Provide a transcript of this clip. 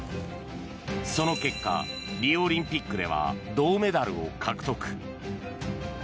その結果、リオオリンピックでは銅メダルを獲得。